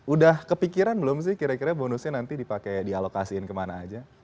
udah kepikiran belum sih kira kira bonusnya nanti dipakai dialokasiin kemana aja